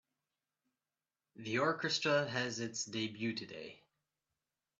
The orchestra has its debut today.